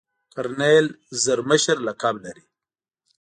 کرنیل زر مشر لقب لري.